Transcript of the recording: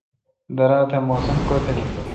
درا تہ موسم کت این